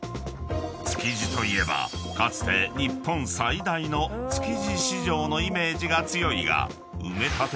［築地といえばかつて日本最大の築地市場のイメージが強いが］